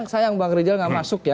sayang bang rijal tidak masuk ya